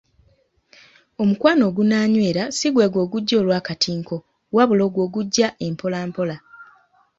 Omukwano ogunaanywera si gwegwo ogujja olw'akatinko, wabula ogwo ogujja empola mpola.